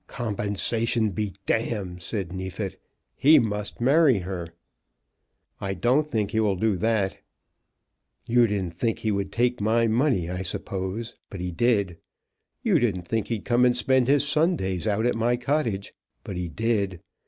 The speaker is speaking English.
"Compensation be d !" said Neefit. "He must marry her." "I don't think he will do that." "You didn't think he would take my money, I suppose; but he did. You didn't think he'd come and spend his Sundays out at my cottage, but he did.